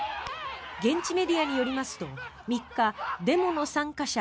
現地メディアによりますと３日デモの参加者